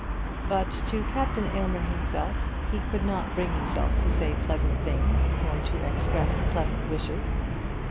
But to Captain Aylmer himself, he could not bring himself to say pleasant things or to express pleasant wishes.